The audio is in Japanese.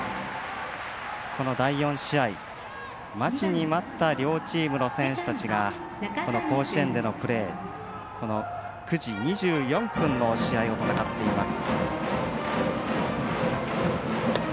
第４試合、待ちに待った両チームの選手たちが甲子園でのプレー９時２４分の試合を戦っています。